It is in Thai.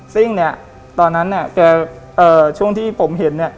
ซึ่งเนี่ยตอนนั้นเนี่ยช่วงที่ผมเห็นเนี่ย